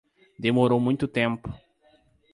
Demorou muito tempo